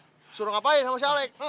disuruh ngapain sama si alek